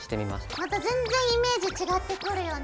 また全然イメージ違ってくるよね。